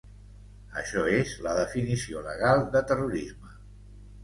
Això és la definició legal de terrorisme.